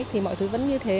thì mọi thứ vẫn như thế